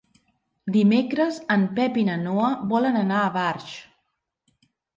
Dimecres en Pep i na Noa volen anar a Barx.